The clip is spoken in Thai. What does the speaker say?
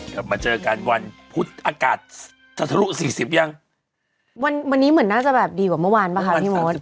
กลับมาเจอกันวันพุธอากาศจะทะลุสี่สิบยังวันวันนี้เหมือนน่าจะแบบดีกว่าเมื่อวานป่ะคะพี่มด